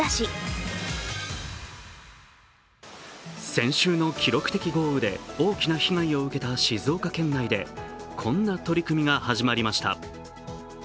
先週の記録的豪雨で大きな被害を受けた静岡県内でこんな取り組みが始まりました。